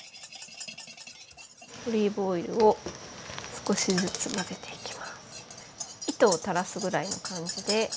オリーブオイルを少しずつ混ぜていきます。